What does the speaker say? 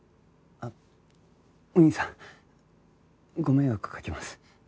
あっお義兄さんご迷惑かけます。